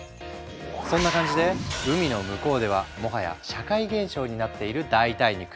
そんな感じで海の向こうではもはや社会現象になっている代替肉。